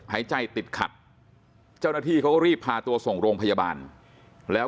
หายใจติดขัดเจ้าหน้าที่เขาก็รีบพาตัวส่งโรงพยาบาลแล้ว